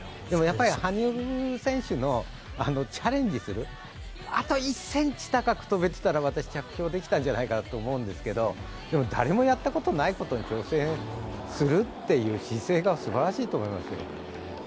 でもやっぱり羽生選手のチャレンジする、あと１ｃｍ高く跳べてたら私、着氷できたんじゃないかと思うんですけどでも誰もやったことないことに挑戦するという姿勢がすばらしいと思いますよ。